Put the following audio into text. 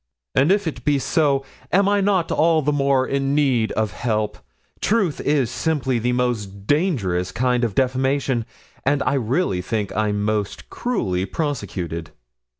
'And if it be so, am I not all the more in need of help? Truth is simply the most dangerous kind of defamation, and I really think I'm most cruelly persecuted.'